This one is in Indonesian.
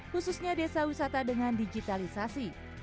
khususnya desa wisata dengan digitalisasi